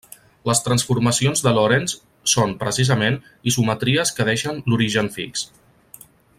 Les transformacions de Lorentz són, precisament, isometries que deixen l'origen fix.